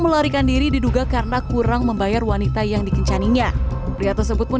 melarikan diri diduga karena kurang membayar wanita yang dikencaninya pria tersebut pun